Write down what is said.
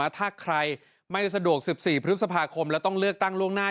ถ้าใครไม่สะดวก๑๔พฤษภาคมแล้วต้องเลือกตั้งล่วงหน้า